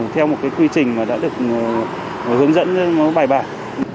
theo một cái quy trình mà đã được hướng dẫn nó bài bản